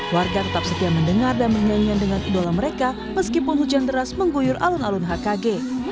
warga tetap setia mendengar dan menyanyinya dengan idola mereka meskipun hujan deras mengguyur alun alun hkg